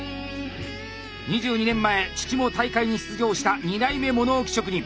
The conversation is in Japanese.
２２年前父も大会に出場した２代目物置職人。